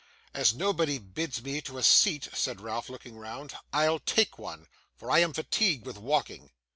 'As nobody bids me to a seat,' said Ralph, looking round, 'I'll take one, for I am fatigued with walking.